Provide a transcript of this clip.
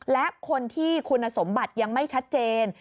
และคนที่คุณสมบัติยังไม่ชัดเจน